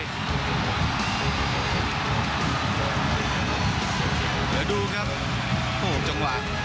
เหลือดูครับโอ้วจังหวะ